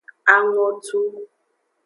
Angotu.